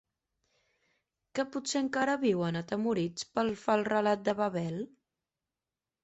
Que potser encara viuen atemorits pel fals relat de Babel?